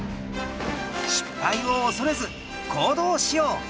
失敗を恐れず行動しよう。